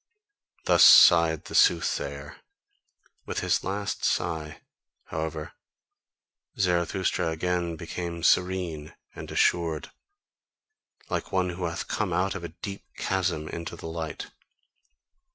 Thus sighed the soothsayer; with his last sigh, however, Zarathustra again became serene and assured, like one who hath come out of a deep chasm into the light.